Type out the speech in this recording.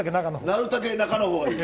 なるたけ中の方がいい？